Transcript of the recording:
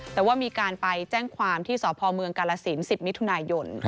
แต่ว่ามีการไปแจ้งความที่สพเมืองกาลสิน๑๐มิถุนายน